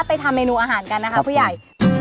ทำเมนูอาหารกันนะคะผู้ใหญ่